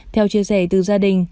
theo chia sẻ từ gia đình